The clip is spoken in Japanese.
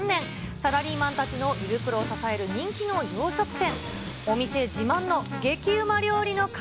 サラリーマンたちの胃袋を支える人気の洋食店。